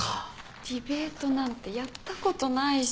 ディベートなんてやったことないし。